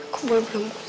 kok boy belum kuat